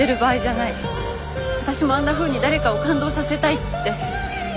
私もあんなふうに誰かを感動させたいって。